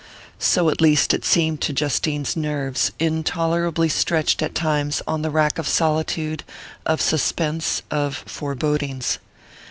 So at least it seemed to Justine's nerves, intolerably stretched, at times, on the rack of solitude, of suspense, of forebodings.